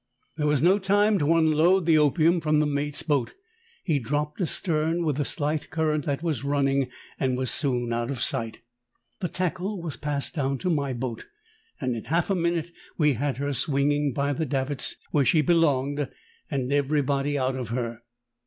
There was no time to unload the opium from the mate's boat; he dropped astern with the slight current that was running and was soon out of sight. The tackle was passed down to my boat, and in half a minute we had her swinging by the davits where she belonged and everybody out of her.